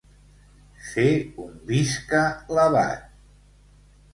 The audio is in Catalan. Fer un visca l'abat.